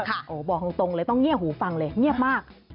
โอ้โหบอกตรงเลยต้องเงียบหูฟังเลยเงียบมาก